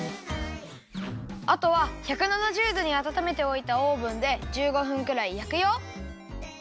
あとは１７０どにあたためておいたオーブンで１５分くらいやくよ。